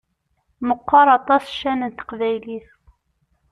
Meqqeṛ aṭas ccan n teqbaylit!